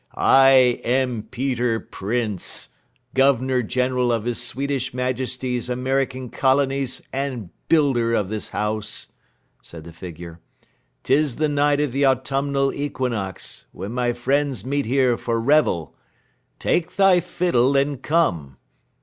"I am Peter Printz, governor general of his Swedish Majesty's American colonies, and builder of this house," said the figure. "'Tis the night of the autumnal equinox, when my friends meet here for revel. Take thy fiddle and come.